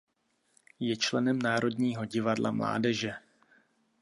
Je členem Národního divadla mládeže.